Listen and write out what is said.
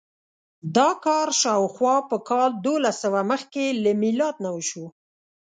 دا کار شاوخوا په کال دوولسسوه مخکې له میلاد نه وشو.